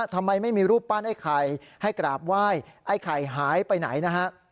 ทำไมไม่มีรูปปั้นไอ้ไข่ให้กราบไหว้ไอ้ไข่หายไปไหนนะฮะ